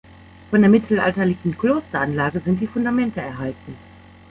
Von der mittelalterlichen Klosteranlage sind die Fundamente erhalten.